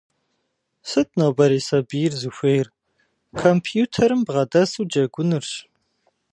Сыт нобэрей сабийр зыхуейр? Компьютерым бгъэдэсу джэгунырщ.